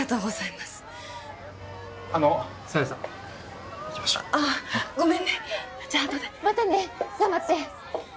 またね頑張って。